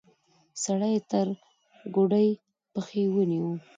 سړی يې تر ګوډې پښې ونيو.